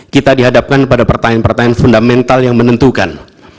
kita dihadapkan pada pertanyaan pertanyaan fundamental yang menentukan